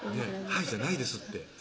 「はい」じゃないですって